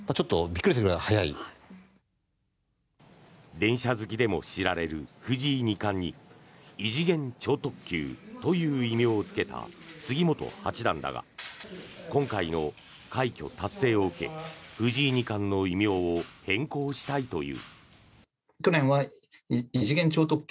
電車好きでも知られる藤井二冠に異次元超特急という異名をつけた杉本八段だが今回の快挙達成を受け藤井二冠の異名を変更したいという。